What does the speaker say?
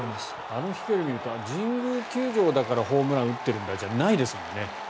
あの日距離を見ると神宮球場だからホームランを打ってるんだじゃないですよね。